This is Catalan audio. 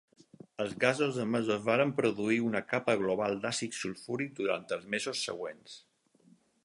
Els gasos emesos van produir una capa global d'àcid sulfúric durant els mesos següents.